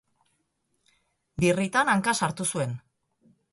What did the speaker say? Birritan hanka sartu zuen.